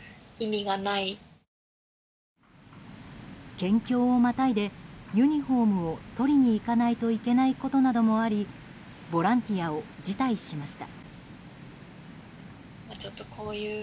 県境をまたいでユニホームを取りに行かないといけないことなどもありボランティアを辞退しました。